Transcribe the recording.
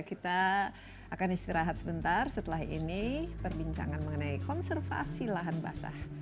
kita akan istirahat sebentar setelah ini perbincangan mengenai konservasi lahan basah